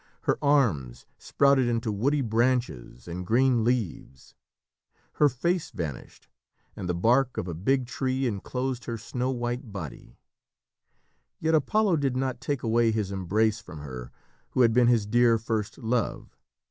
Her arms sprouted into woody branches and green leaves. Her face vanished, and the bark of a big tree enclosed her snow white body. Yet Apollo did not take away his embrace from her who had been his dear first love.